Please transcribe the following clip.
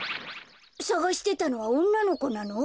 さがしてたのはおんなのこなの？